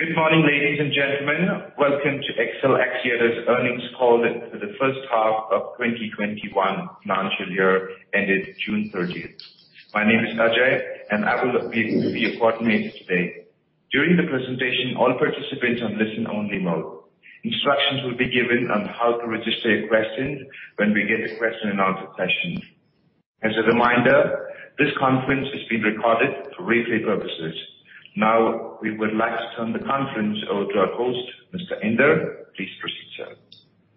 Good morning, ladies and gentlemen. Welcome to XL Axiata's Earnings Call for the First Half of 2021 Financial Year ended 30th June. My name is Ajay, and I will be your coordinator today. During the presentation, all participants are on listen-only mode. Instructions will be given on how to register your question when we get to the question-and-answer session. As a reminder, this conference is being recorded for replay purposes. Now, we would like to turn the conference over to our host, Mr. Indar. Please proceed, sir.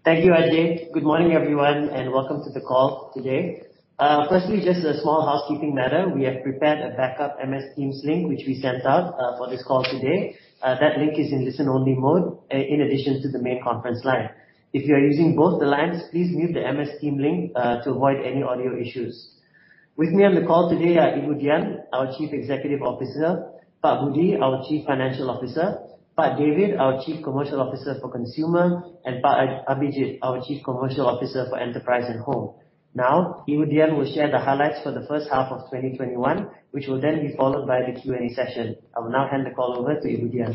Thank you, Ajay. Good morning, everyone, and welcome to the call today. Firstly, just a small housekeeping matter. We have prepared a backup Microsoft Teams link, which we sent out for this call today. That link is in listen-only mode in addition to the main conference line. If you are using both the lines, please mute the MS Team link to avoid any audio issues. With me on the call today are Ibu Dian, our Chief Executive Officer, Pak Budi, our Chief Financial Officer, Pak David, our Chief Commercial Officer for Consumer, and Pak Abhijit, our Chief Commercial Officer for Enterprise and Home. Now, Ibu Dian will share the highlights for the first half of 2021, which will then be followed by the Q&A session. I will now hand the call over to Ibu Dian.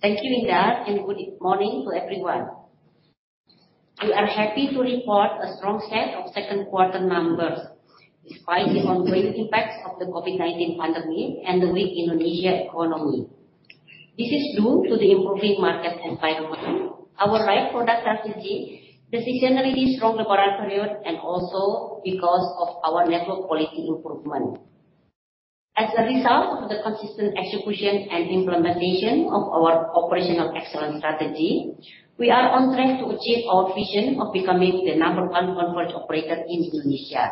Thank you, Indar, and good morning to everyone. We are happy to report a strong set of second quarter numbers despite the ongoing impacts of the COVID-19 pandemic and the weak Indonesia economy. This is due to the improving market environment, our right product strategy, seasonally strong quarter period, and also because of our network quality improvement. As a result of the consistent execution and implementation of our operational excellence strategy, we are on track to achieve our vision of becoming the number one converged operator in Indonesia.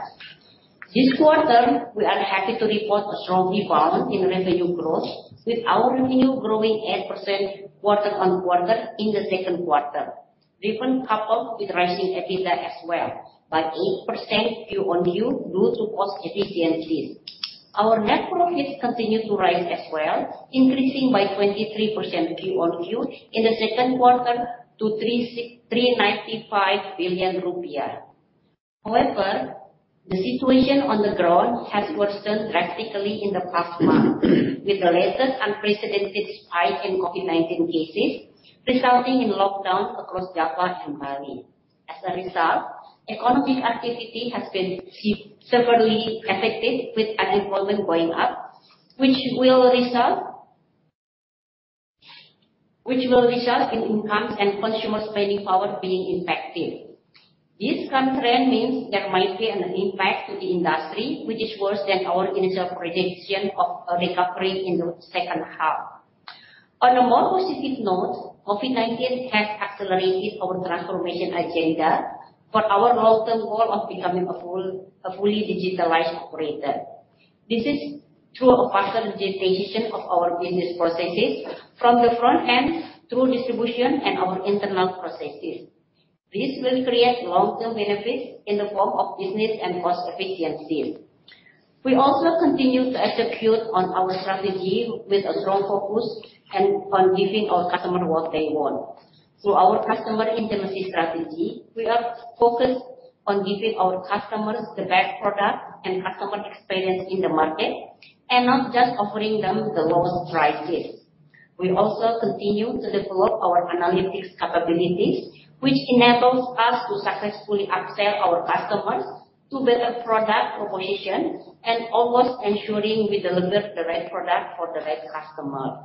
This quarter, we are happy to report a strong rebound in revenue growth, with our revenue growing 8% quarter-on-quarter in the second quarter, driven coupled with rising EBITDA as well, by 8% quarter-on-quarter due to cost efficiencies. Our net profits continue to rise as well, increasing by 23% quarter-on-quarter in the second quarter to 395 billion rupiah. However, the situation on the ground has worsened drastically in the past month, with the latest unprecedented spike in COVID-19 cases resulting in lockdowns across Java and Bali. As a result, economic activity has been severely affected, with unemployment going up, which will result in incomes and consumer spending power being impacted. This current trend means there might be an impact to the industry which is worse than our initial prediction of a recovery in the second half. On a more positive note, COVID-19 has accelerated our transformation agenda for our long-term goal of becoming a fully digitalized operator. This is through a faster digitization of our business processes from the front end through distribution and our internal processes. This will create long-term benefits in the form of business and cost efficiencies. We also continue to execute on our strategy with a strong focus and on giving our customers what they want. Through our customer intimacy strategy, we are focused on giving our customers the best product and customer experience in the market and not just offering them the lowest prices. We also continue to develop our analytics capabilities, which enables us to successfully upsell our customers to better product promotions and always ensuring we deliver the right product for the right customer.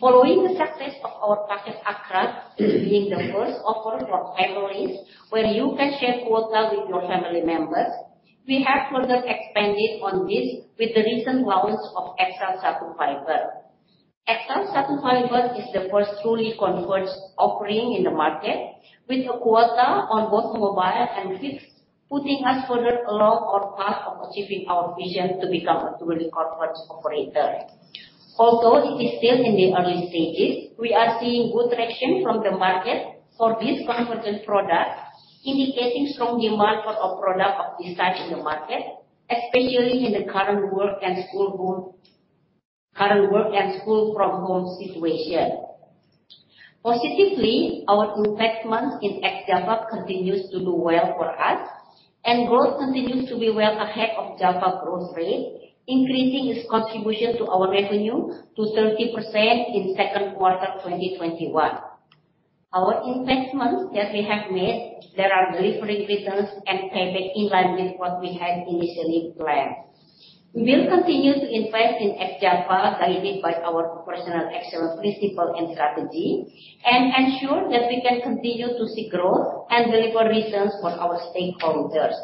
Following the success of our Paket Akrab, being the first offer for families where you can share quota with your family members, we have further expanded on this with the recent launch of XL SATU Fiber. XL SATU Fiber is the first truly converged offering in the market, with a quota on both mobile and fixed, putting us further along our path of achieving our vision to become a truly converged operator. Although it is still in the early stages, we are seeing good traction from the market for this converged product, indicating strong demand for a product of this type in the market, especially in the current work and school from home situation. Positively, our investment in ex-Java continues to do well for us, and growth continues to be well ahead of Java growth rate, increasing its contribution to our revenue to 30% in second quarter 2021. Our investments that we have made, they are delivering returns and payback in line with what we had initially planned. We will continue to invest in ex-Java guided by our operational excellence principle and strategy and ensure that we can continue to see growth and deliver returns for our stakeholders.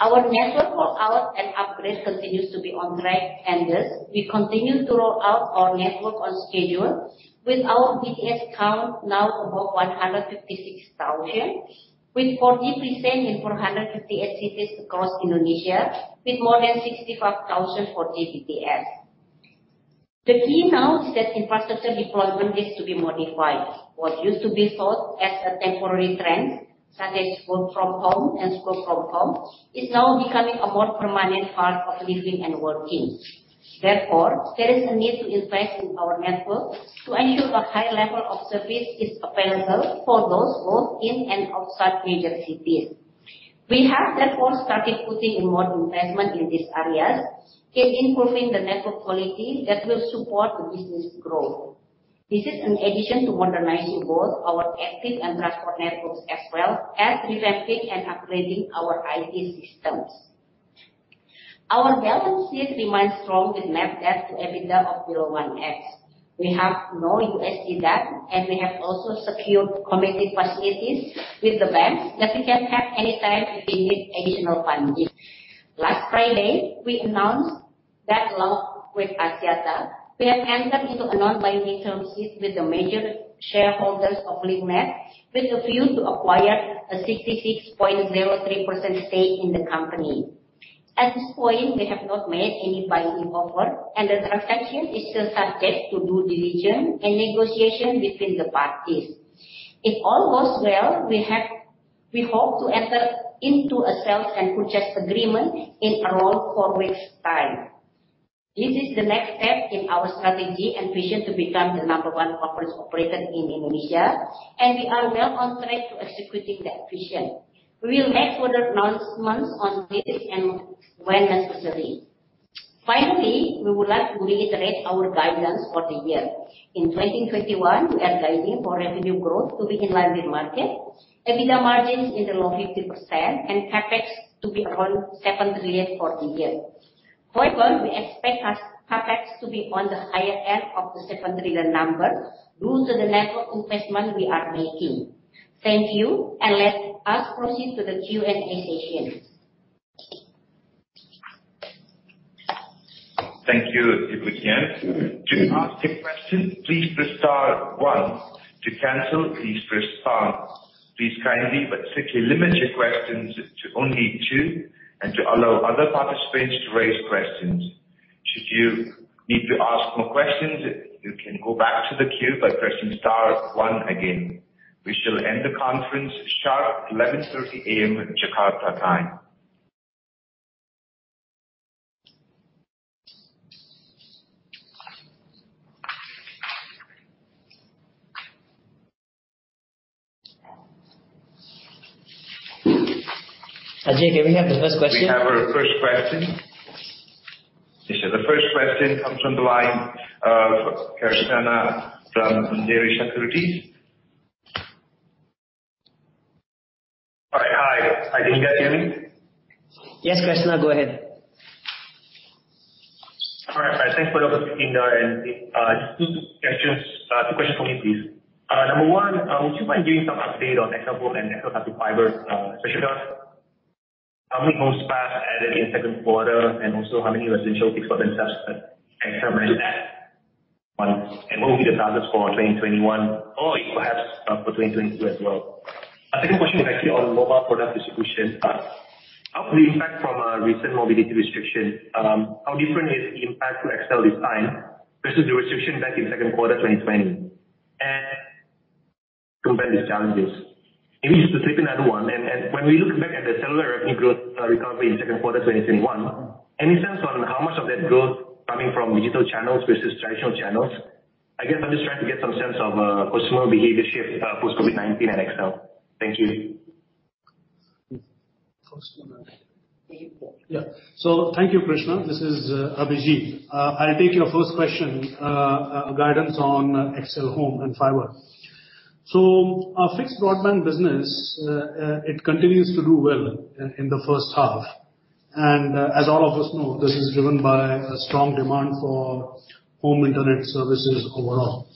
Our network roll out and upgrade continues to be on track, and thus, we continue to roll out our network on schedule with our BTS count now above 156,000, with 40% in 458 cities across Indonesia, with more than 65,000 4G BTS. The key now is that infrastructure deployment needs to be modified. What used to be thought as a temporary trend, such as work from home and school from home, is now becoming a more permanent part of living and working. Therefore, there is a need to invest in our network to ensure a high level of service is available for those both in and outside major cities. We have, therefore, started putting in more investment in these areas in improving the network quality that will support the business growth. This is in addition to modernizing both our active and transport networks as well as revamping and upgrading our IT systems. Our balance sheet remains strong with net debt to EBITDA of below 1x. We have no USD debt, and we have also secured committed facilities with the banks that we can tap anytime if we need additional funding. Last Friday, we announced that along with Axiata, we have entered into a non-binding term sheet with the major shareholders of Link Net, with a view to acquire a 66.03% stake in the company. At this point, we have not made any binding offer, and the transaction is still subject to due diligence and negotiation between the parties. If all goes well, we hope to enter into a sale and purchase agreement in around four weeks' time. This is the next step in our strategy and vision to become the number one corporate operator in Indonesia. We are well on track to executing that vision. We will make further announcements on this and when necessary. We would like to reiterate our guidance for the year. In 2021, we are guiding for revenue growth to be in line with market, EBITDA margins in the low 50%, and CapEx to be around 7 trillion for the year. However, we expect our CapEx to be on the higher end of the 7 trillion number due to the network investment we are making. Thank you. Let us proceed to the Q&A session. Thank you, Dian Siswarini. To ask a question, please press star one. To cancel, please press star. Please kindly but strictly limit your questions to only two and to allow other participants to raise questions. Should you need to ask more questions, you can go back to the queue by pressing star one again. We shall end the conference sharp 11:30 A.M. Jakarta time. Ajay, can we have the first question? We have our first question. This is the first question, comes from the line of Krishna from Jefferies. Hi. I didn't get you in. Yes, Krishna, go ahead. All right. Thanks for the opportunity. Just two questions for me, please. Number one, would you mind giving some update on XL Home and XL Fiber, especially how many homes passed added in second quarter, and also how many residential fixed broadband subs at XL added that month? What will be the targets for 2021 or perhaps for 2022 as well? Second question is actually on mobile product distribution. How could we impact from a recent mobility restriction? How different is the impact to XL this time versus the restriction back in second quarter 2020? Compare these challenges. If you just to take another one, when we look back at the cellular revenue growth recovery in second quarter 2021, any sense on how much of that growth coming from digital channels versus traditional channels? I guess I'm just trying to get some sense of customer behavior shift post-COVID-19 at XL. Thank you. Yeah. Thank you, Krishna. This is Abhijit. I'll take your first question, guidance on XL Home and Fiber. Our fixed broadband business, it continues to do well in the first half. As all of us know, this is driven by a strong demand for home internet services overall.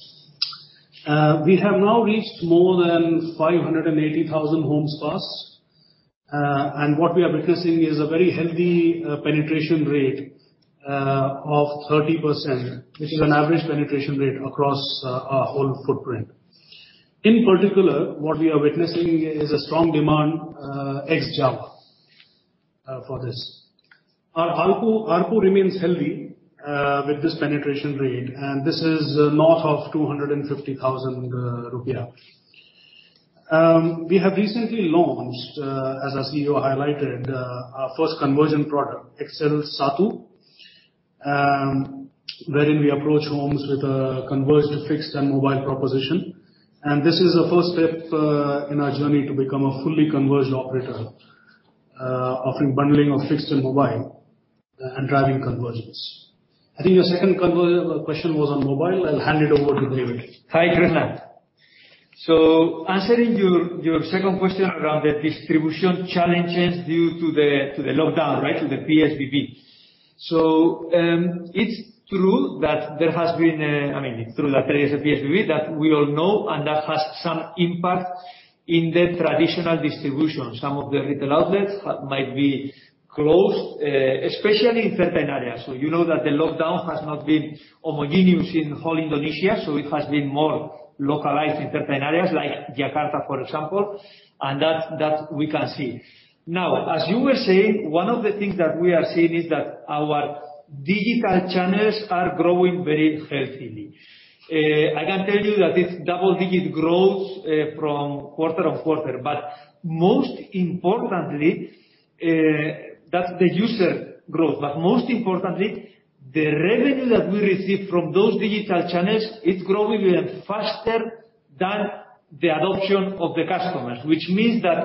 We have now reached more than 580,000 homes passed. What we are witnessing is a very healthy penetration rate of 30%, which is an average penetration rate across our whole footprint. In particular, what we are witnessing is a strong demand ex-Java for this. Our ARPU remains healthy with this penetration rate, and this is north of 250,000 rupiah. We have recently launched, as our CEO highlighted, our first convergence product, XL SATU, wherein we approach homes with a convergence fixed and mobile proposition. This is the first step in our journey to become a fully convergence operator, offering bundling of fixed and mobile and driving conversions. I think your second convergence question was on mobile. I'll hand it over to David. Hi, Krishna. Answering your second question around the distribution challenges due to the lockdown, right? To the PSBB. It's true that there is a PSBB that we all know, and that has some impact in the traditional distribution. Some of the retail outlets might be closed, especially in certain areas. You know that the lockdown has not been homogeneous in whole Indonesia, so it has been more localized in certain areas like Jakarta, for example, and that we can see. Now, as you were saying, one of the things that we are seeing is that our digital channels are growing very healthily. I can tell you that it's double-digit growth from quarter-on-quarter. Most importantly, that's the user growth. Most importantly, the revenue that we receive from those digital channels is growing even faster than the adoption of the customers. Which means that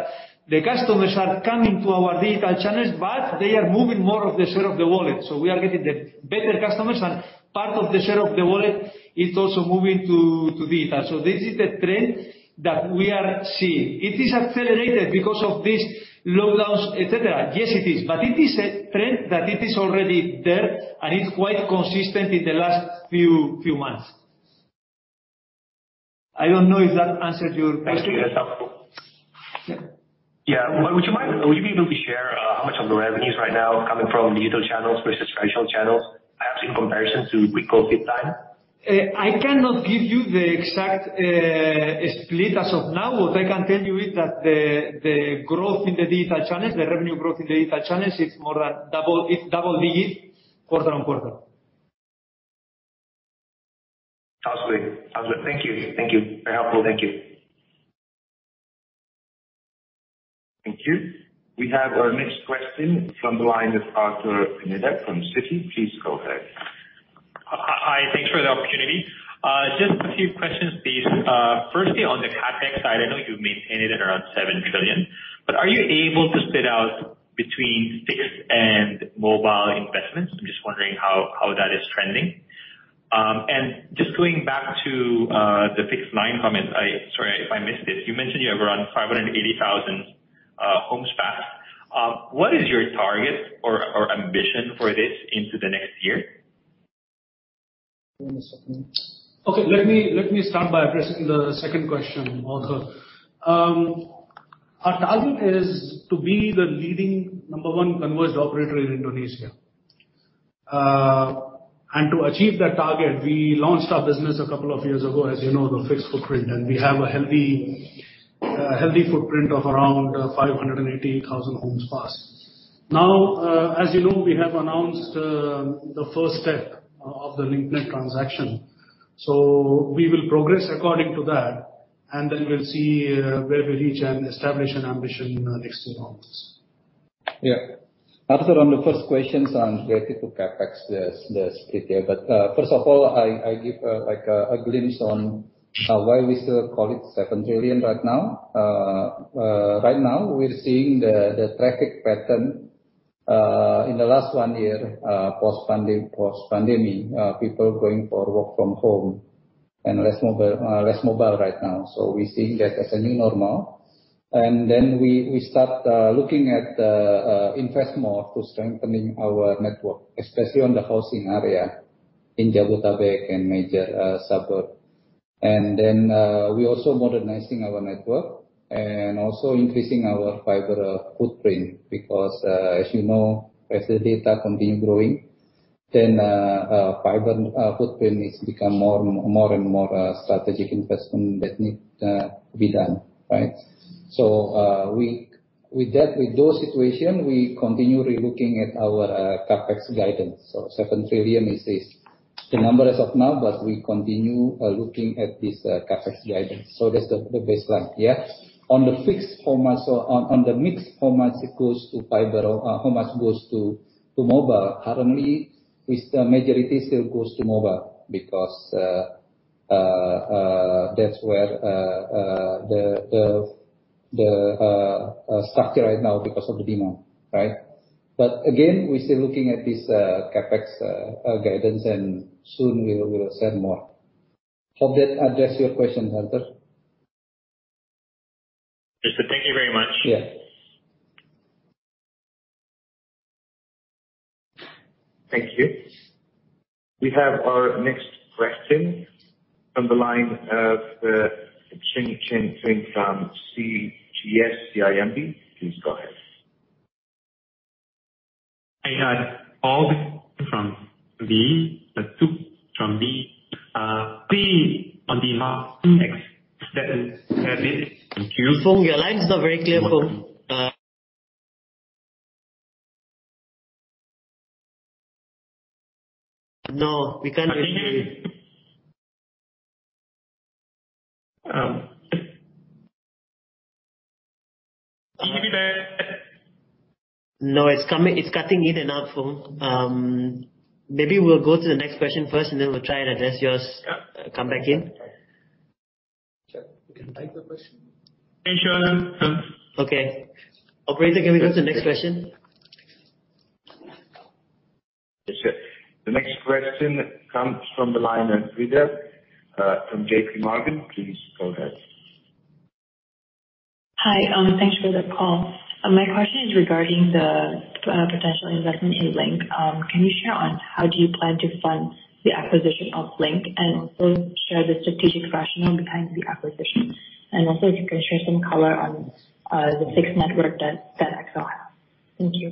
the customers are coming to our digital channels, but they are moving more of the share of the wallet. We are getting the better customers, and part of the share of the wallet is also moving to digital. This is the trend that we are seeing. It is accelerated because of these lockdowns, et cetera. Yes, it is. It is a trend that it is already there, and it's quite consistent in the last few months. I don't know if that answered your question. Yeah. Would you be able to share how much of the revenues right now coming from digital channels versus traditional channels, actually, in comparison to pre-COVID-19 time? I cannot give you the exact split as of now. What I can tell you is that the growth in the digital channels, the revenue growth in the digital channels is more than double. It's double digits quarter-on-quarter. Absolutely. Thank you. Very helpful. Thank you. Thank you. We have our next question from the line of Arthur Pineda from Citi. Please go ahead. Hi. Thanks for the opportunity. Just a few questions, please. Firstly, on the CapEx side, I know you've maintained it at around 7 trillion. Are you able to split out between fixed and mobile investments? I'm just wondering how that is trending. Just going back to the fixed line comments. Sorry if I missed it. You mentioned you have around 580,000 homes passed. What is your target or ambition for this into the next year? Give me a second. Okay. Let me start by addressing the second question, Arthur. Our target is to be the leading number one converged operator in Indonesia. To achieve that target, we launched our business two years ago, as you know, the fixed footprint, and we have a healthy footprint of around 580,000 homes passed. As you know, we have announced the first step of the Link Net transaction. We will progress according to that, and then we'll see where we reach and establish an ambition in the next few months. Yeah. Arthur, on the first question on related to CapEx, the split there. First of all, I give a glimpse on why we still call it 7 trillion right now. Right now, we're seeing the traffic pattern in the last one year, post-pandemic. People going for work from home and less mobile right now. We're seeing that as a new normal. Then we start looking at invest more to strengthening our network, especially on the housing area in Jabodetabek and major suburb. Then we're also modernizing our network and also increasing our fiber footprint. As you know, as the data continue growing, then fiber footprint needs to become more and more a strategic investment that need to be done. Right. With that, with those situation, we continue relooking at our CapEx guidance. 7 trillion is the number as of now, but we continue looking at this CapEx guidance. That's the baseline, yeah. On the fixed format or on the mixed format, it goes to fiber or how much goes to mobile. Currently, with the majority still goes to mobile because that's where the structure right now because of the demand. Right? Again, we're still looking at this CapEx guidance, and soon we'll say more. Hope that addressed your question, Arthur. Yes, sir. Thank you very much. Yeah. Thank you. We have our next question from the line of Foong Choong Chen from CGS-CIMB. Please go ahead. I had all from the two from the three on the mark next. That's it. Thank you. Foong, your line is not very clear, Foong. No, we can't hear you. Can you hear me? No, it's cutting in and out, Foong Chee Ting. Maybe we'll go to the next question first, and then we'll try and address yours. Come back in. Okay. We can take the question. Sure. Okay. Operator, can we go to the next question? Yes, sure. The next question comes from the line of Rita from J.P. Morgan. Please go ahead. Hi. Thanks for the call. My question is regarding the potential investment in Link. Can you share on how do you plan to fund the acquisition of Link? Also share the strategic rationale behind the acquisition. Also if you can share some color on the fixed network that XL has. Thank you.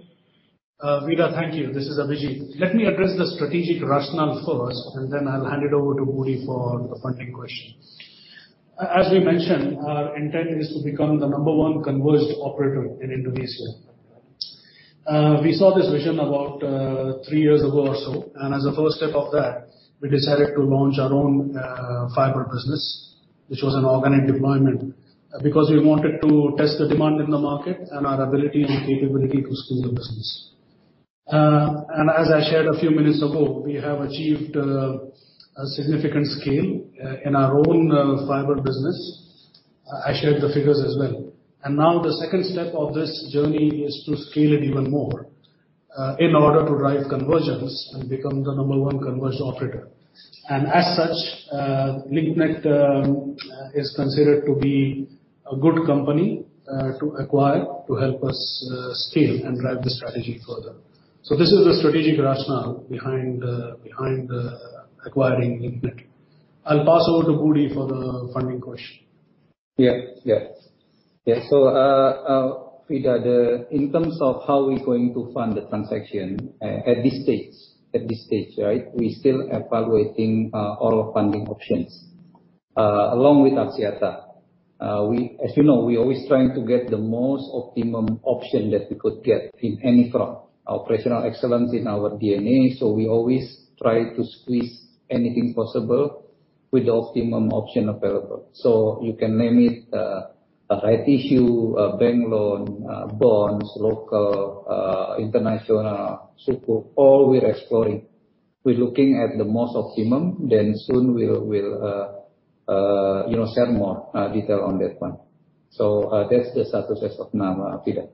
Rita, thank you. This is Abhijit. Let me address the strategic rationale first, and then I'll hand it over to Budi for the funding question. As we mentioned, our intent is to become the number one converged operator in Indonesia. We saw this vision about three years ago or so. As a first step of that, we decided to launch our own fiber business, which was an organic deployment, because we wanted to test the demand in the market and our ability and capability to scale the business. As I shared a few minutes ago, we have achieved a significant scale in our own fiber business. I shared the figures as well. Now the second step of this journey is to scale it even more, in order to drive convergence and become the number one convergence operator. As such, Link Net is considered to be a good company to acquire to help us scale and drive the strategy further. This is the strategic rationale behind acquiring Link Net. I'll pass over to Budi for the funding question. So, Rita, in terms of how we're going to fund the transaction at this stage, we're still evaluating all funding options. Along with Axiata, as you know, we're always trying to get the most optimum option that we could get in any front. Operational excellence in our DNA. We always try to squeeze anything possible with the optimum option available. You can name it, a rights issue, a bank loan, bonds, local, international, Sukuk, all we're exploring. We're looking at the most optimum. Soon we'll share more detail on that one. That's the status as of now, Rita.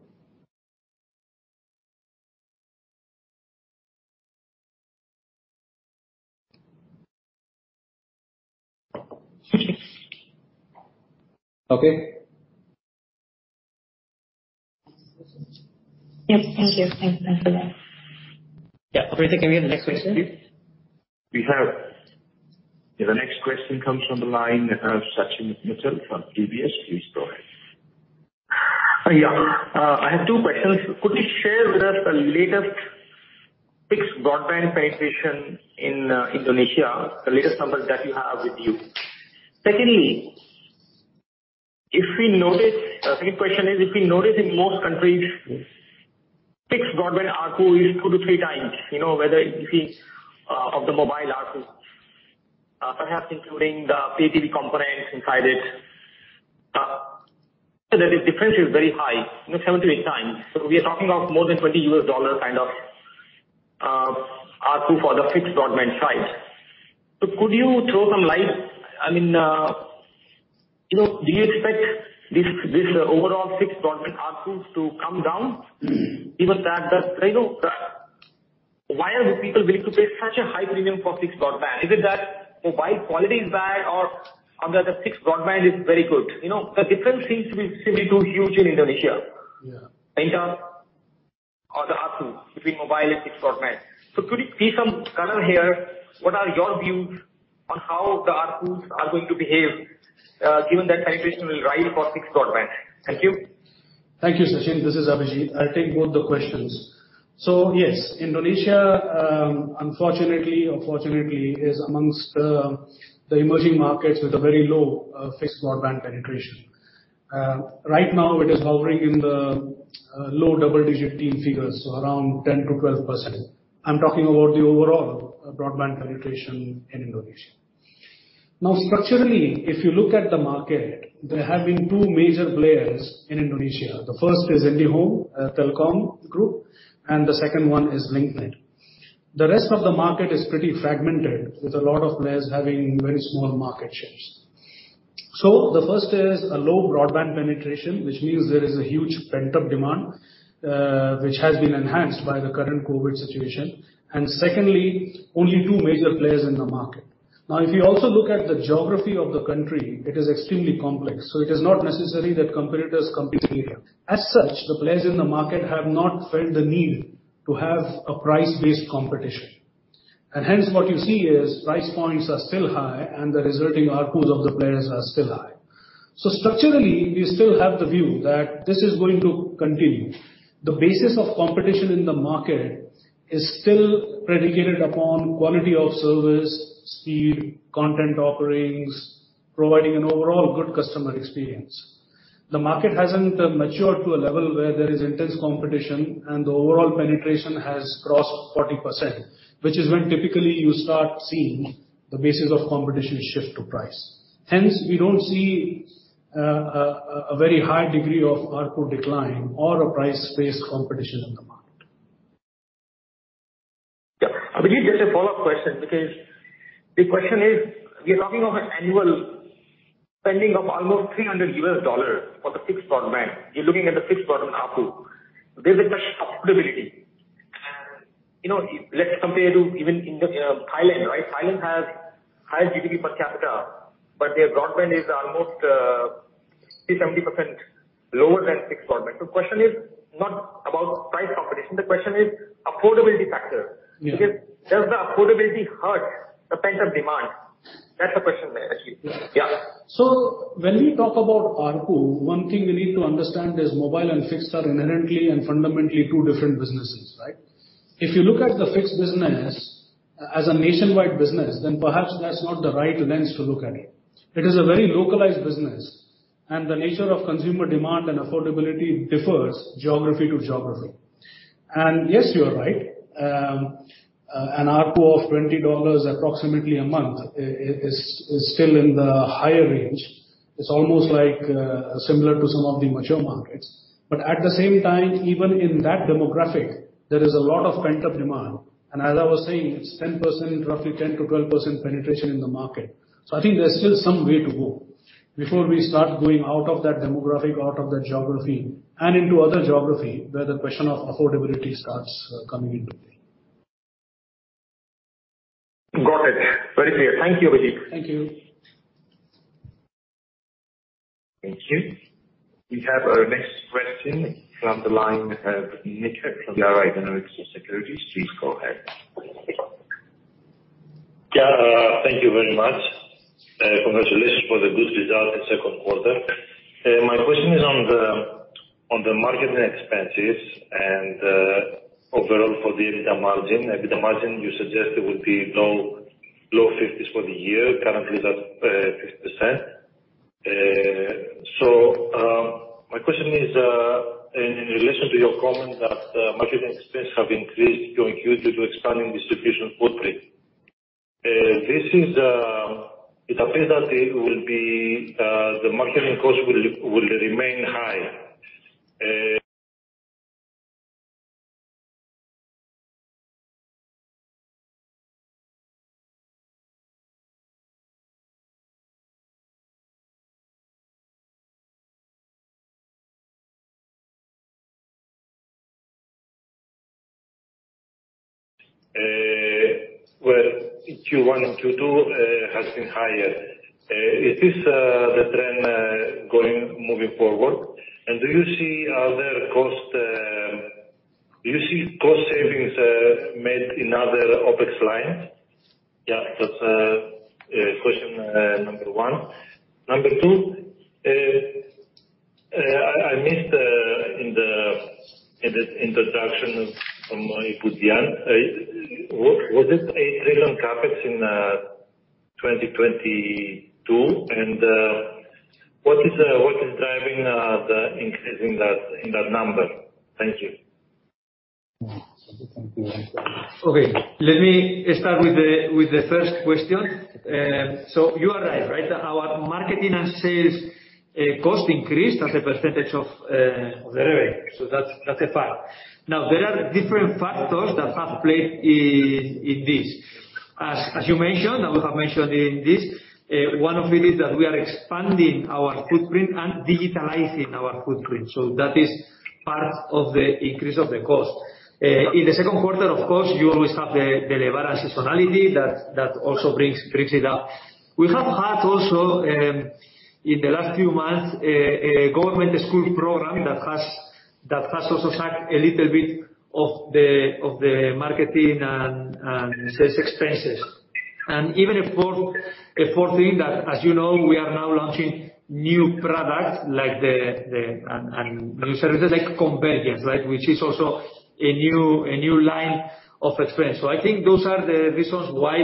Okay? Yep, thank you. Thanks a lot. Yeah. Operator, can we have the next question, please? We have Yeah, the next question comes from the line of Sachin Mittal from DBS. Please go ahead. Yeah. I have two questions. Could you share with us the latest fixed broadband penetration in Indonesia, the latest numbers that you have with you? Secondly, the third question is, if we notice in most countries, fixed broadband ARPU is two to 3x, whether increasing of the mobile ARPU. Perhaps including the PPV components inside it. The difference is very high, seven to 8x. We are talking of more than IDR 20 kind of ARPU for the fixed broadband side. Could you throw some light, do you expect this overall fixed broadband ARPU to come down? Given that, why are the people willing to pay such a high premium for fixed broadband? Is it that mobile quality is bad or that the fixed broadband is very good? The difference seems to be simply too huge in Indonesia. Yeah in terms of the ARPU between mobile and fixed broadband. Could you paint some color here? What are your views on how the ARPUs are going to behave, given that penetration will rise for fixed broadband? Thank you. Thank you, Sachin. This is Abhijit. I'll take both the questions. Yes, Indonesia, unfortunately or fortunately, is among the emerging markets with a very low fixed broadband penetration. Right now it is hovering in the low double-digit teen figures, so around 10%-12%. I'm talking about the overall broadband penetration in Indonesia. Structurally, if you look at the market, there have been two major players in Indonesia. The first is IndiHome, Telkom group, and the second one is Link Net. The rest of the market is pretty fragmented, with a lot of players having very small market shares. The first is a low broadband penetration, which means there is a huge pent-up demand, which has been enhanced by the current COVID-19 situation. Secondly, only two major players in the market. If you also look at the geography of the country, it is extremely complex. It is not necessary that competitors compete here. As such, the players in the market have not felt the need to have a price-based competition. Hence what you see is price points are still high and the resulting ARPUs of the players are still high. Structurally, we still have the view that this is going to continue. The basis of competition in the market is still predicated upon quality of service, speed, content offerings, providing an overall good customer experience. The market hasn't matured to a level where there is intense competition and the overall penetration has crossed 40%, which is when typically you start seeing the basis of competition shift to price. We don't see a very high degree of ARPU decline or a price-based competition in the market. Abhijit, just a follow-up question because the question is, we are talking of an annual spending of almost $300 for the fixed broadband. You are looking at the fixed broadband ARPU. There is a question of affordability. Let us compare to even Thailand, right? Thailand has higher GDP per capita, but their broadband is almost 60%-70% lower than fixed broadband. Question is not about price competition, the question is affordability factor. Yeah. Does the affordability hurt the pent-up demand? That's the question, Abhijit. Yeah. When we talk about ARPU, one thing we need to understand is mobile and fixed are inherently and fundamentally two different businesses, right? If you look at the fixed business as a nationwide business, then perhaps that's not the right lens to look at it. It is a very localized business, and the nature of consumer demand and affordability differs geography to geography. Yes, you are right, an ARPU of IDR 20 approximately a month is still in the higher range. It's almost similar to some of the mature markets. At the same time, even in that demographic, there is a lot of pent-up demand. As I was saying, it's roughly 10%-12% penetration in the market. I think there's still some way to go before we start going out of that demographic, out of that geography and into other geography where the question of affordability starts coming into play. Got it. Very clear. Thank you, Abhijit. Thank you. Thank you. We have our next question from the line of Niko from BRI Danareksa Sekuritas. Please go ahead. Thank you very much. Congratulations for the good result in second quarter. My question is on the marketing expenses and overall for the EBITDA margin. EBITDA margin, you suggested would be low 50s for the year. Currently it's at 50%. My question is, in relation to your comment that marketing expense have increased year-over-year due to expanding distribution footprint. It appears that the marketing cost will remain high. Where Q1 and Q2 has been higher. Is this the trend moving forward? Do you see cost savings made in other OpEx lines? That's question number one. Number two, I missed in the introduction from Bu Dian. Was it IDR 8 trillion CapEx in 2022? What is driving the increase in that number? Thank you. Let me start with the first question. You are right. Our marketing and sales cost increased as a % of the revenue. That's a fact. There are different factors that have played in this. As you mentioned, we have mentioned in this, one of it is that we are expanding our footprint and digitalizing our footprint. That is part of the increase of the cost. In the second quarter, of course, you always have the Lebaran and seasonality that also brings it up. We have had also, in the last few months, a government school program that has also sucked a little bit of the marketing and sales expenses. Even a fourth thing that, as you know, we are now launching new products and new services like convergence, which is also a new line of expense. I think those are the reasons why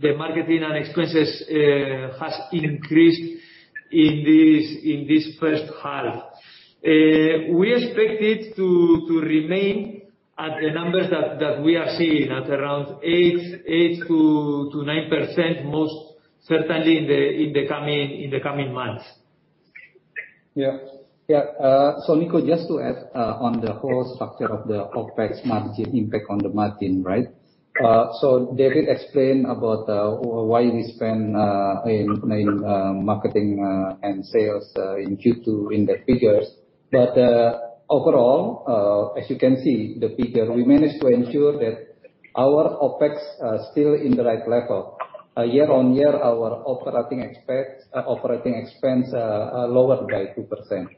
the marketing and expenses has increased in this first half. We expect it to remain at the numbers that we are seeing at around 8% to 9%, most certainly in the coming months. Yeah. Niko, just to add on the whole structure of the OpEx margin impact on the margin. David explained about why we spend in marketing and sales in Q2 in the figures. Overall, as you can see, the figure, we managed to ensure that our OpEx are still in the right level. Year-on-year, our operating expense are lower by 2%.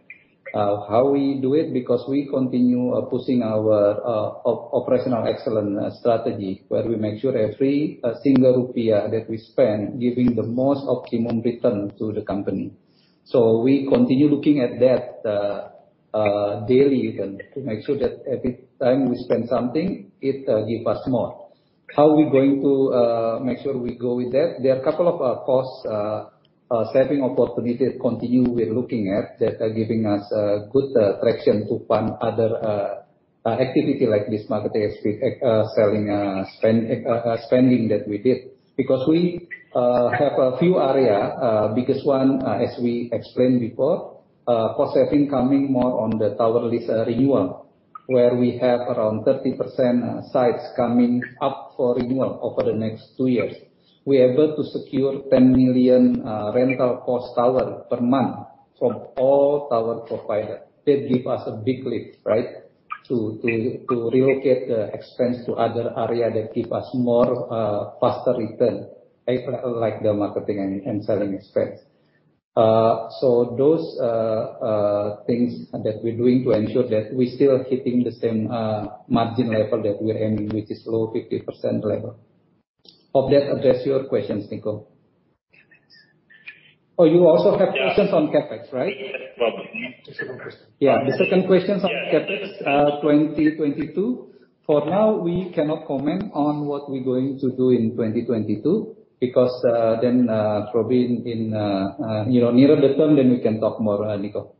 How we do it? Because we continue pushing our operational excellence strategy, where we make sure every single rupiah that we spend giving the most optimum return to the company. We continue looking at that daily even to make sure that every time we spend something, it give us more. How are we going to make sure we go with that? There are a couple of cost saving opportunity continue we're looking at that are giving us good traction to fund other activity like this marketing spending that we did. We have a few area, biggest one, as we explained before, cost saving coming more on the tower lease renewal, where we have around 30% sites coming up for renewal over the next two years. We're able to secure 10 million rental cost tower per month from all tower provider. That give us a big lift to relocate the expense to other area that give us more faster return, like the marketing and selling expense. Those things that we're doing to ensure that we're still hitting the same margin level that we're aiming, which is low 50% level. Hope that address your questions, Niko. You also have questions on CapEx, right? Yes. The second question. Yeah. The second question is on CapEx 2022. For now, we cannot comment on what we're going to do in 2022 because probably nearer the term, we can talk more, Niko.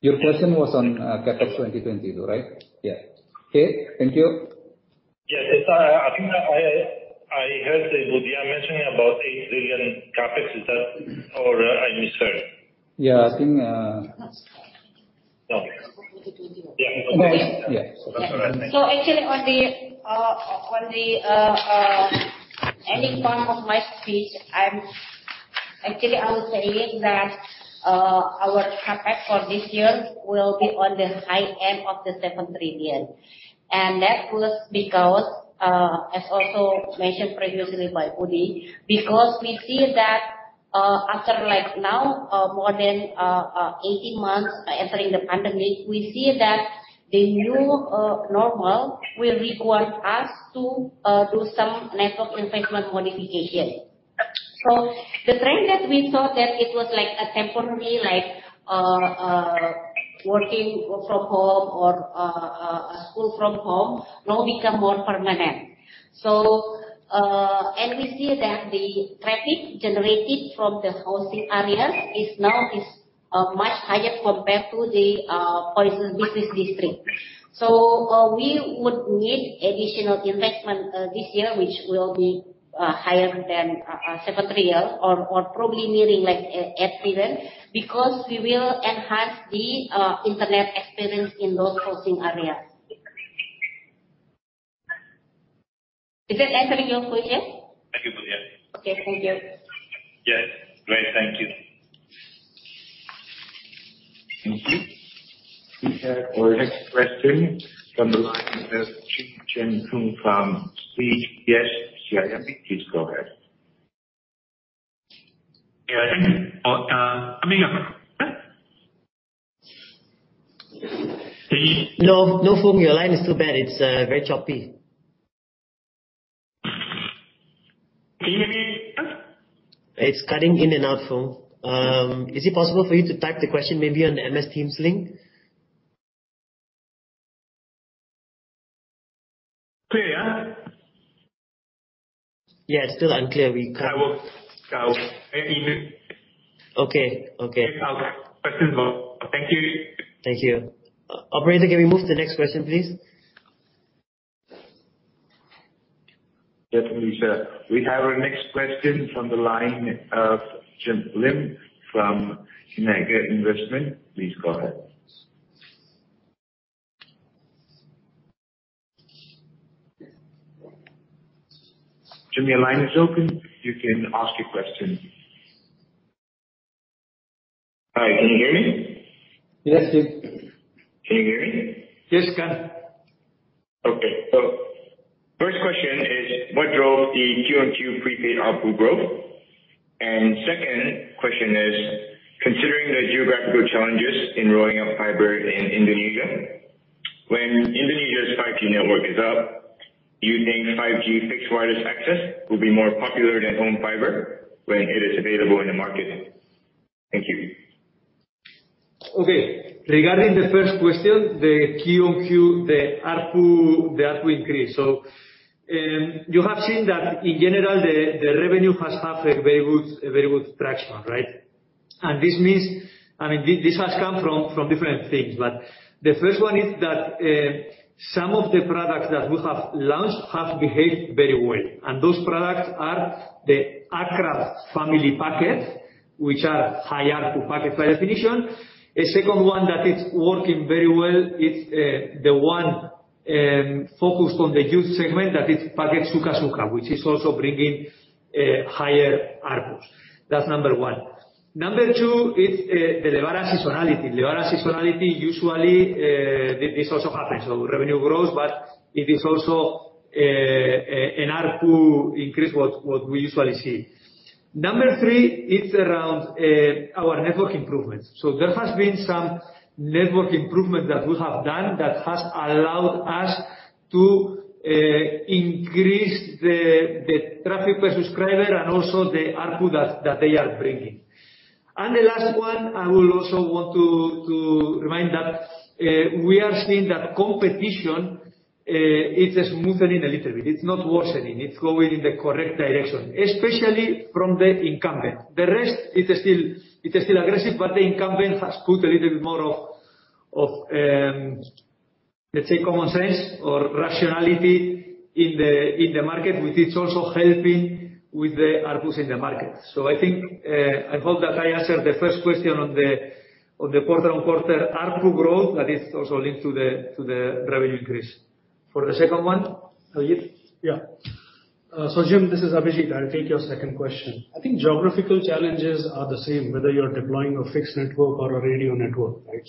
Your question was on CapEx 2022, right? Yeah. Okay. Thank you. Yes. I think I heard Budi mentioning about 8 trillion CapEx. Is that, or I misheard? Yeah. I think That's No. For 2021. Yeah. Actually, on any form of my speech, I was saying that our CapEx for this year will be on the high end of 7 trillion. That was because, as also mentioned previously by Budi, we see that after now, more than 18 months entering the pandemic, we see that the new normal will require us to do some network investment modification. The trend that we saw that it was a temporary, working from home or school from home now become more permanent. We see that the traffic generated from the housing areas is now much higher compared to the business district. We would need additional investment this year, which will be higher than 7 trillion or probably nearing 8 trillion, because we will enhance the internet experience in those housing areas. Is that answering your question? Thank you, Budi. Okay. Thank you. Yes. Great. Thank you. Thank you. We have our next question from the line of Chen Foong from CGS-CIMB Securities. Please go ahead. Yeah. Thank you. I think No, Foong. Your line is too bad. It's very choppy. Can you hear me? It's cutting in and out, Foong. Is it possible for you to type the question maybe on the Microsoft Teams link? Clear, yeah? Yeah, it's still unclear. I will. I think it. Okay. I'll type my question now. Thank you. Thank you. Operator, can we move to the next question, please? Definitely, sir. We have our next question from the line of Jim Lim from RHB Investment. Please go ahead. Jim, your line is open. You can ask your question. Hi, can you hear me? Yes, Jim. Can you hear me? Yes, sir. Okay. First question is, what drove the quarter-on-quarter prepaid ARPU growth? Second question is, considering the geographical challenges in rolling out fiber in Indonesia, when Indonesia's 5G network is up, do you think 5G fixed wireless access will be more popular than home fiber when it is available in the market? Thank you. Okay. Regarding the first question, the QoQ, the ARPU, that will increase. You have seen that in general, the revenue has had a very good traction, right? This has come from different things. The first one is that some of the products that we have launched have behaved very well. Those products are the Akrab family Paket which are higher to Paket by definition. A second one that is working very well is the one focused on the youth segment. That is Paket Suka-Suka, which is also bringing higher ARPUs. That's number one. Number two is the Lebaran seasonality. Lebaran seasonality usually, this also happens. Revenue grows, but it is also an ARPU increase what we usually see. Number 3 is around our network improvements. There has been some network improvement that we have done that has allowed us to increase the traffic per subscriber and also the ARPU that they are bringing. The last one, I will also want to remind that we are seeing that competition is smoothening a little bit. It's not worsening. It's going in the correct direction, especially from the incumbent. The rest, it is still aggressive, but the incumbent has put a little bit more of, let's say, common sense or rationality in the market, which is also helping with the ARPUs in the market. I hope that I answered the first question on the quarter-on-quarter ARPU growth that is also linked to the revenue increase. For the second one? Abhijit. Yeah. Jim, this is Abhijit. I'll take your second question. I think geographical challenges are the same, whether you're deploying a fixed network or a radio network, right?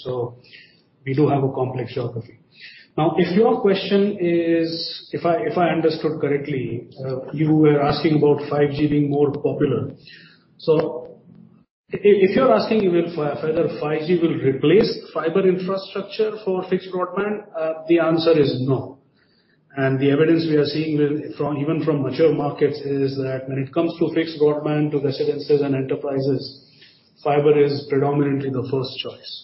We do have a complex geography. Now, if your question is, if I understood correctly, you were asking about 5G being more popular. If you're asking whether 5G will replace fiber infrastructure for fixed broadband, the answer is no. The evidence we are seeing, even from mature markets, is that when it comes to fixed broadband, to residences and enterprises, fiber is predominantly the first choice.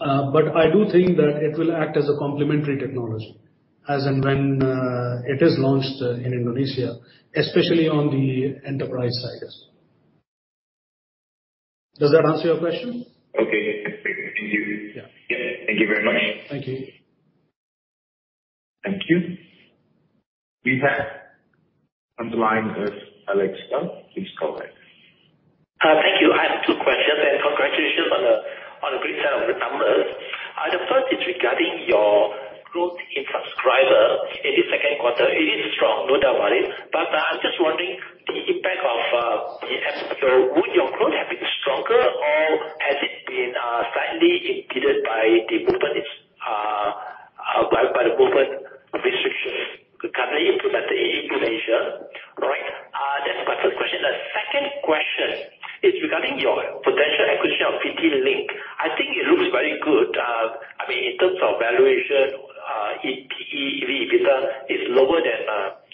I do think that it will act as a complementary technology, as and when it is launched in Indonesia, especially on the enterprise side. Does that answer your question? Okay, perfect. Thank you. Yeah. Thank you very much. Thank you. Thank you. We have on the line with Alex. Please go ahead. Thank you. I have two questions and congratulations on the great set of numbers. The first is regarding your growth in subscribers in the second quarter. It is strong, no doubt about it. I'm just wondering the impact of the episode. Would your growth have been stronger, or has it been slightly impeded by the movement restrictions currently implemented in Indonesia? That's my first question. The second question is regarding your potential acquisition of PT Link. I think it looks very good. In terms of valuation, EBITDA is lower than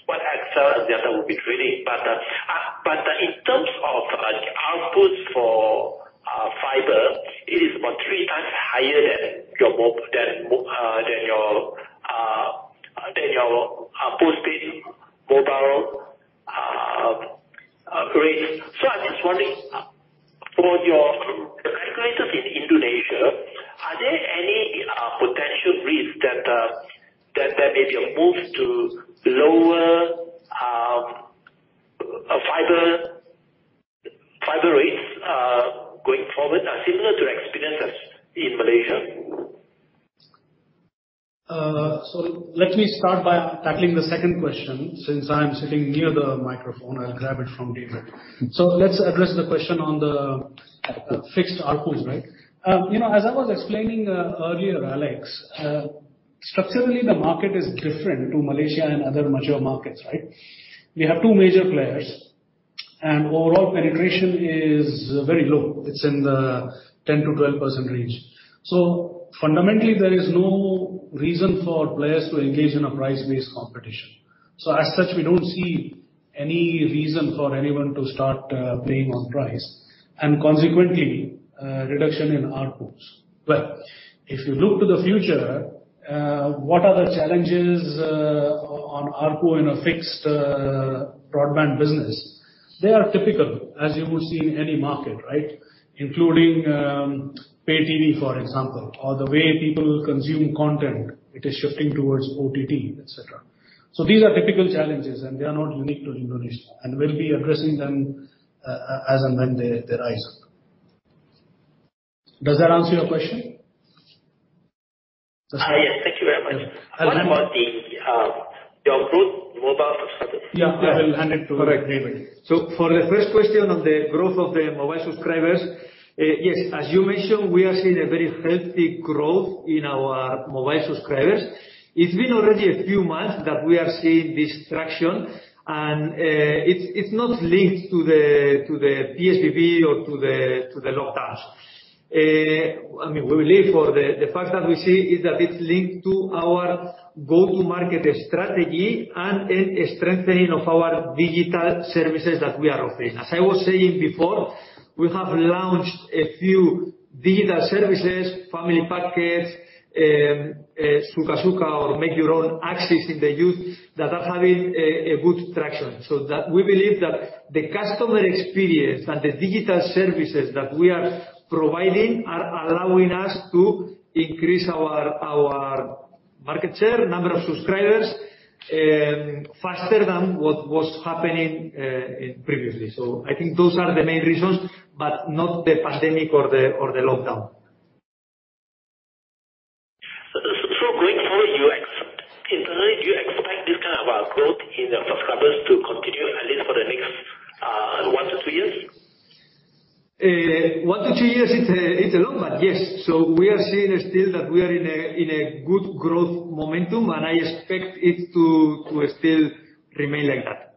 what XL usually would be trading. In terms of outputs for fiber, it is about 3x higher than your postpaid mobile rates. I'm just wondering, for your regulators in Indonesia, are there any potential risks that there may be a move to lower fiber rates going forward, similar to experiences in Malaysia? Let me start by tackling the second question. Since I'm sitting near the microphone, I'll grab it from David. Let's address the question on the fixed ARPU. As I was explaining earlier, Alex, structurally the market is different to Malaysia and other mature markets. We have two major players, and overall penetration is very low. It's in the 10%-12% range. Fundamentally, there is no reason for players to engage in a price-based competition. As such, we don't see any reason for anyone to start playing on price and consequently, reduction in ARPUs. If you look to the future, what are the challenges on ARPU in a fixed broadband business? They are typical, as you would see in any market, right, including pay TV, for example, or the way people consume content. It is shifting towards OTT, et cetera. These are typical challenges, and they are not unique to Indonesia, and we'll be addressing them as and when they rise up. Does that answer your question? Yes, thank you very much. One more, your growth mobile subscribers. Yeah, I will hand it to David. Correct. For the first question on the growth of the mobile subscribers, yes, as you mentioned, we are seeing a very healthy growth in our mobile subscribers. It's been already a few months that we are seeing this traction, and it's not linked to the PSBB or to the lockdowns. We believe for the fact that we see is that it's linked to our go-to-market strategy and strengthening of our digital services that we are offering. As I was saying before, we have launched a few digital services, family packages, Suka-Suka or Make Your Own AXIS in the youth that are having a good traction. We believe that the customer experience and the digital services that we are providing are allowing us to increase our market share, number of subscribers, faster than what was happening previously. I think those are the main reasons, but not the pandemic or the lockdown. Going forward internally, do you expect this kind of growth in the subscribers to continue, at least for the next one to two years? One to two years it's a long, but yes. We are seeing still that we are in a good growth momentum, and I expect it to still remain like that.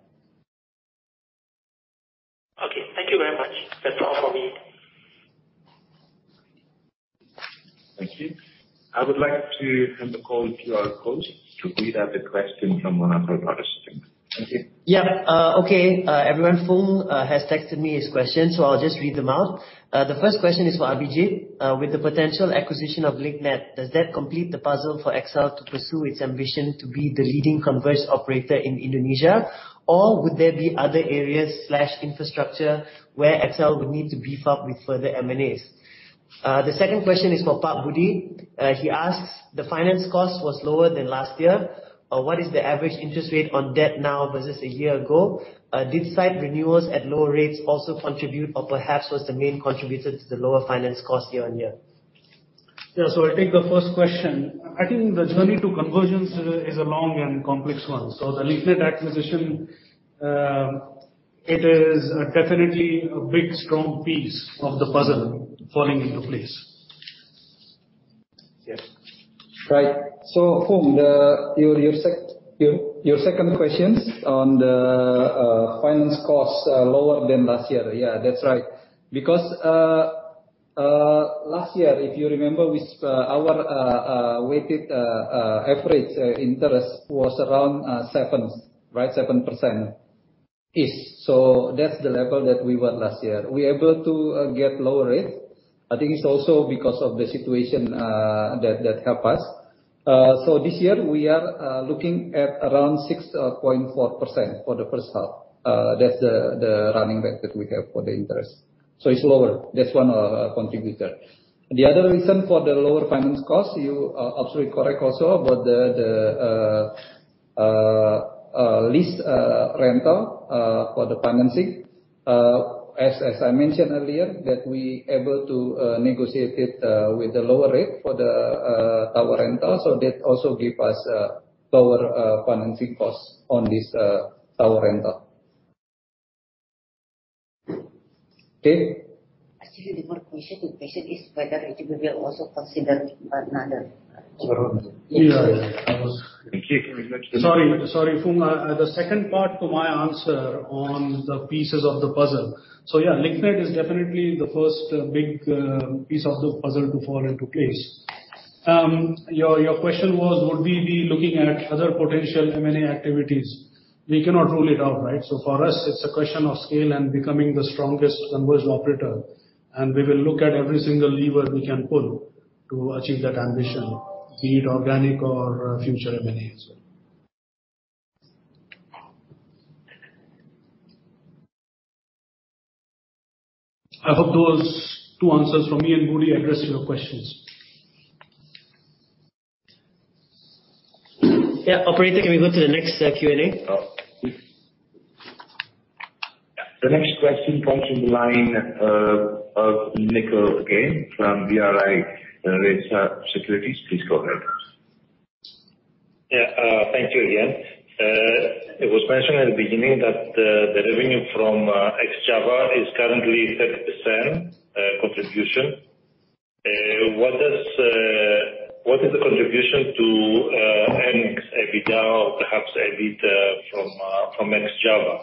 Okay. Thank you very much. That's all from me. Thank you. I would like to hand the call to our host to read out the question from another participant. Thank you. Yeah. Okay. Everyone, Foong has texted me his question, so I'll just read them out. The first question is for Abhijit. With the potential acquisition of Link Net, does that complete the puzzle for XL to pursue its ambition to be the leading converged operator in Indonesia? Would there be other areas/infrastructure where XL would need to beef up with further M&As? The second question is for Pak Budi. He asks, the finance cost was lower than last year. What is the average interest rate on debt now versus a year ago? Did site renewals at lower rates also contribute or perhaps was the main contributor to the lower finance cost year-on-year? I'll take the first question. I think the journey to convergence is a long and complex one. The Link Net acquisition, it is definitely a big, strong piece of the puzzle falling into place. Right. Foong, your second question on the finance costs lower than last year. Yeah, that's right. Because last year, if you remember, our weighted average interest was around 7%, right? 7%-ish. That's the level that we were last year. We are able to get lower rates. I think it is also because of the situation that helped us. This year, we are looking at around 6.4% for the first half. That's the running rate that we have for the interest. It is lower. That's one contributor. The other reason for the lower finance cost, you are absolutely correct also about the lease rental for the financing. As I mentioned earlier, that we are able to negotiate it with the lower rate for the tower rental, so that also give us lower financing costs on this tower rental. Okay. Actually, the more question is whether you will also consider another Yeah. I think you can mention. Sorry, Foong. The second part to my answer on the pieces of the puzzle. Yeah, Link Net is definitely the first big piece of the puzzle to fall into place. Your question was, would we be looking at other potential M&A activities? We cannot rule it out, right? For us, it's a question of scale and becoming the strongest converged operator, and we will look at every single lever we can pull to achieve that ambition, be it organic or future M&A as well. I hope those two answers from me and Budi address your questions. Yeah. Operator, can we go to the next Q&A? The next question comes from the line of Niko again, from BRI Danareksa Sekuritas. Please go ahead. Yeah. Thank you again. It was mentioned at the beginning that the revenue from ex-Java is currently 30% contribution. What is the contribution to NX EBITDA or perhaps EBIT from ex-Java?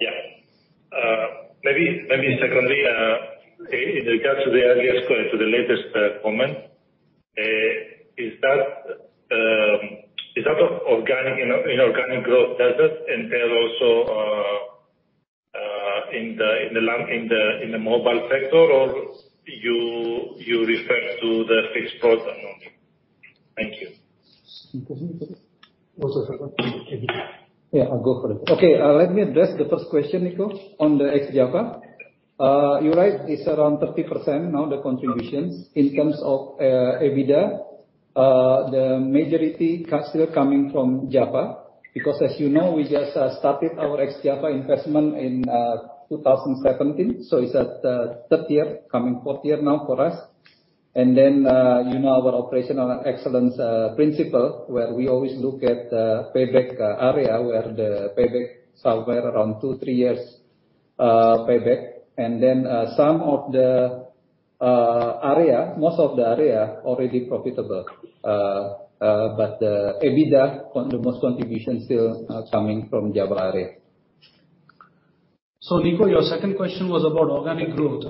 Yeah. Maybe secondly, in regards to the latest comment, is that organic growth does it entail also in the mobile sector, or you refer to the fixed broadband only? Thank you. Budi. Also for Budi. Yeah, I'll go for it. Okay. Let me address the first question, Niko, on the ex-Java. You're right, it's around 30% now, the contributions. In terms of EBITDA, the majority cash flow coming from Java, because as you know, we just started our ex-Java investment in 2017. It's at third year, coming fourth year now for us. You know our operational excellence principle, where we always look at the payback area, where the payback somewhere around two, three years payback. Some of the area, most of the area already profitable. The EBITDA, the most contribution still coming from Java area. Niko, your second question was about organic growth.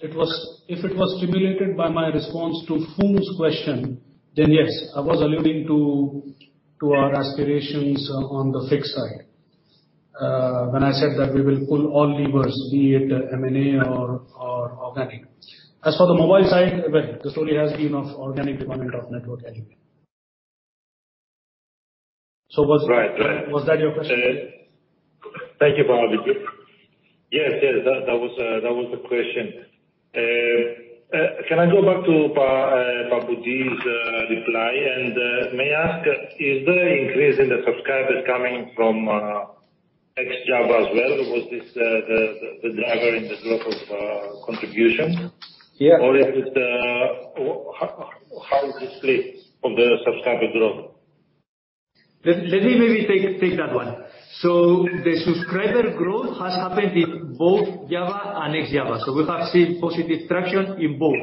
If it was stimulated by my response to Foong's question, then yes, I was alluding to our aspirations on the fixed side. When I said that we will pull all levers, be it M&A or organic. As for the mobile side, well, the story has been of organic development of network anyway. Right. Was that your question? Thank you for having me. Yes, that was the question. Can I go back to Pak Budi's reply, and may I ask, is the increase in the subscribers coming from ex-Java as well? Was this the driver in the growth of contribution? Yeah. How is this split on the subscriber growth? Let me maybe take that one. The subscriber growth has happened in both Java and ex-Java. We have seen positive traction in both.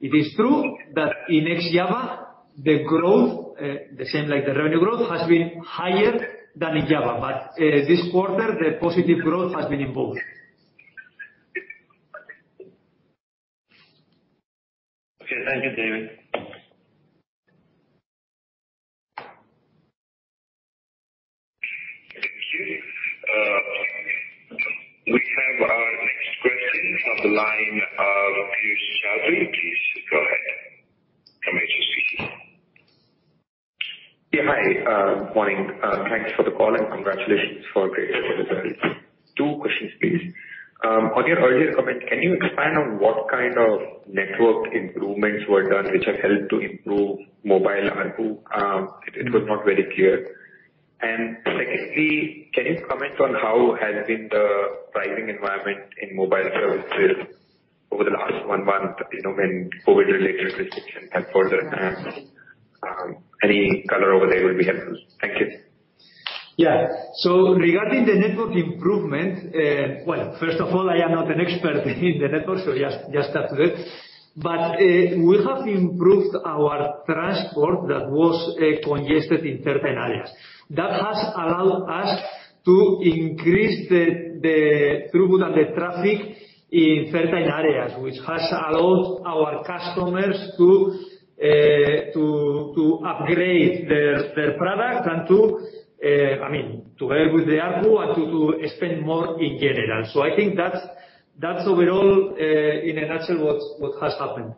It is true that in ex-Java, the growth, the same like the revenue growth, has been higher than in Java. This quarter, the positive growth has been in both. Okay. Thank you, David. Thank you. We have our next question on the line of Piyush Choudhary. Please go ahead. From HSBC. Yeah. Hi. Morning. Thanks for the call, and congratulations for a great set of results. Two questions, please. On your earlier comment, can you expand on what kind of network improvements were done which have helped to improve mobile ARPU? It was not very clear. Secondly, can you comment on how has been the pricing environment in mobile services over the last one month when COVID-related restrictions have further relaxed? Any color over there would be helpful. Thank you. Yeah. Regarding the network improvement, well, first of all, I am not an expert in the network, so just start with it. We have improved our transport that was congested in certain areas. That has allowed us to increase the throughput and the traffic in certain areas, which has allowed our customers to upgrade their product and to work with the ARPU and to spend more in general. I think that's overall, in a nutshell, what has happened.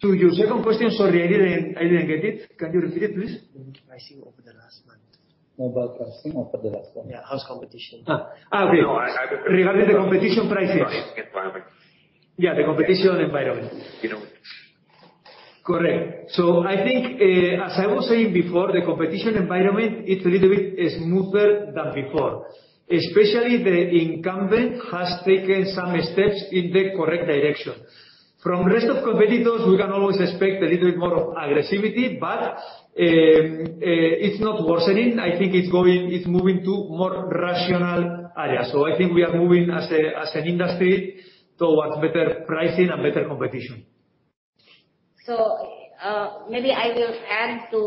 To your second question, sorry, I didn't get it. Can you repeat it, please? Pricing over the last month. Mobile pricing over the last month. Yeah, how's competition? Okay. No. Regarding the competition prices. environment. Yeah, the competition environment. You know. Correct. I think, as I was saying before, the competition environment, it's a little bit smoother than before. Especially the incumbent has taken some steps in the correct direction. From rest of competitors, we can always expect a little bit more of aggressivity, but it's not worsening. I think it's moving to more rational areas. I think we are moving as an industry towards better pricing and better competition. Maybe I will add to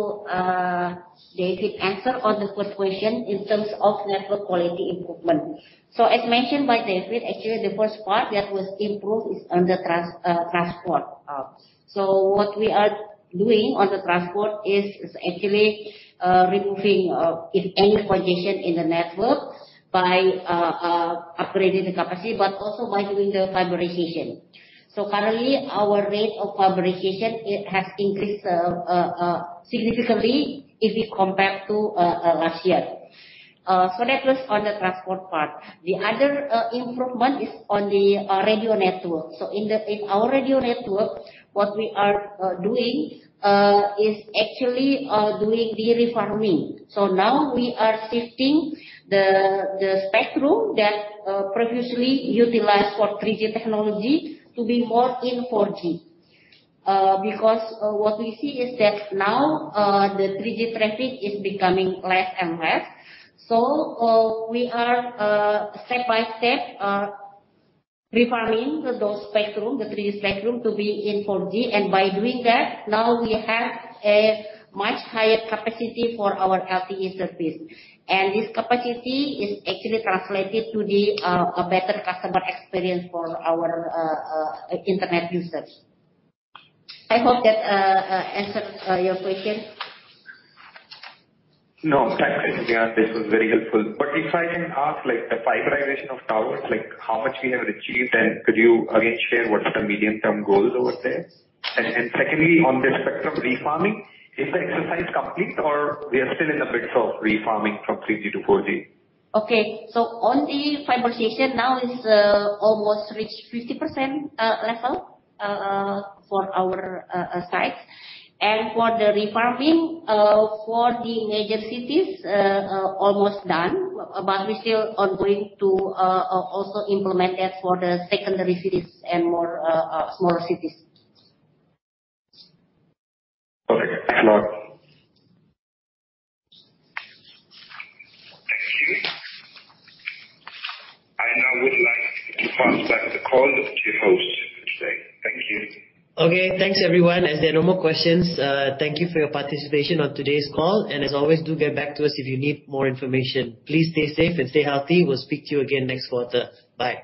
David's answer on the first question in terms of network quality improvement. As mentioned by David, actually the first part that was improved is on the transport. What we are doing on the transport is actually removing if any congestion in the network by upgrading the capacity, but also by doing the fiberization. Currently our rate of fiberization, it has increased significantly if you compare to last year. That was on the transport part. The other improvement is on the radio network. In our radio network, what we are doing is actually doing the refarming. Now we are shifting the spectrum that previously utilized for 3G technology to be more in 4G. Because what we see is that now the 3G traffic is becoming less and less. We are step by step refarming those spectrum, the 3G spectrum to be in 4G. By doing that, now we have a much higher capacity for our LTE service. This capacity is actually translated to a better customer experience for our internet users. I hope that answered your question. Thanks, Dian Siswarini. This was very helpful. If I can ask, the fiberization of towers, how much we have achieved, and could you again share what's the medium-term goals over there? Secondly, on the spectrum refarming, is the exercise complete, or we are still in the midst of refarming from 3G to 4G? On the fiberization now is almost reached 50% level for our sites. For the refarming, for the major cities, almost done, but we're still ongoing to also implement that for the secondary cities and more smaller cities. Okay. Thanks a lot. Thank you. I now would like to pass back the call to your host today. Thank you. Okay. Thanks everyone. There are no more questions, thank you for your participation on today's call, and as always, do get back to us if you need more information. Please stay safe and stay healthy. We'll speak to you again next quarter. Bye.